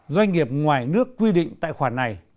doanh nghiệp ngoài nước quy định tại khoản này